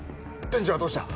天智はどうした？